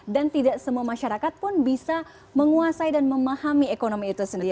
dan tidak semua masyarakat pun bisa menguasai dan memahami ekonomi itu sendiri